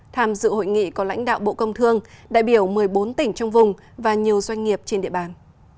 tham dự hội nghị có lãnh đạo bộ công thương đại biểu một mươi bốn tỉnh trong vùng và nhiều doanh nghiệp trên địa bàn